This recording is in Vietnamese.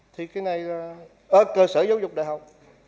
thì cái này ở cơ sở giáo dục đại học